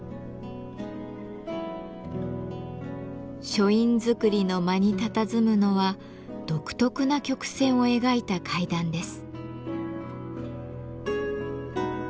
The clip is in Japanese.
書院造りの間にたたずむのは独特な曲線を描いた階段です。